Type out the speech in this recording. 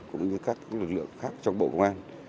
cũng như các lực lượng khác trong bộ công an